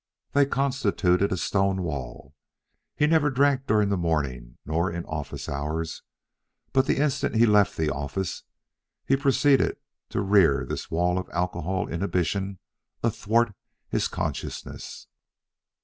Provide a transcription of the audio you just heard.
They constituted a stone wall. He never drank during the morning, nor in office hours; but the instant he left the office he proceeded to rear this wall of alcoholic inhibition athwart his consciousness.